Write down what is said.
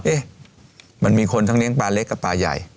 เอ๊ะมันมีคนทั้งเลี้ยปลาเล็กกับปลาใหญ่